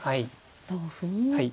同歩に。